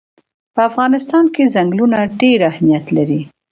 په افغانستان کې ځنګلونه ډېر اهمیت لري.